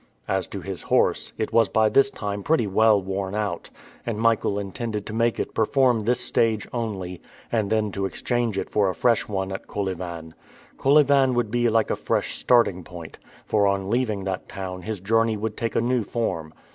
As to his horse, it was by this time pretty well worn out, and Michael intended to make it perform this stage only, and then to exchange it for a fresh one at Kolyvan. Kolyvan would be like a fresh starting point, for on leaving that town his journey would take a new form.